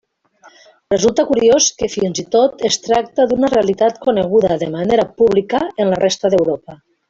Resulta curiós que fins i tot es tracta d'una realitat coneguda de manera pública en la resta d'Europa.